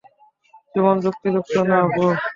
জীবন যুক্তিযুক্ত না, ব্রো।